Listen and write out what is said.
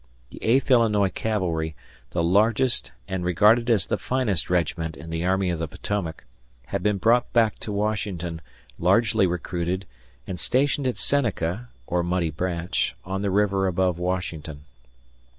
The Eighth Illinois Cavalry, the largest and regarded as the finest regiment in the Army of the Potomac, had been brought back to Washington, largely recruited, and stationed at Seneca (or Muddy Branch) on the river above Washington.